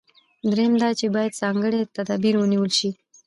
درېیم دا چې باید ځانګړي تدابیر ونیول شي.